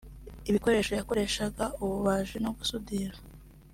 ibikoresho yakoreshaga ububaji no gusudira